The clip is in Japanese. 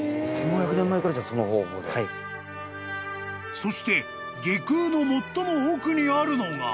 ［そして外宮の最も奥にあるのが］